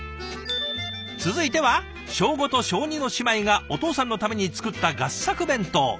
続いては小５と小２の姉妹がお父さんのために作った合作弁当。